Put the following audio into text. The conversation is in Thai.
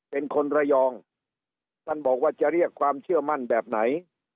เป็นคนระยองท่านบอกว่าจะเรียกความเชื่อมั่นแบบไหน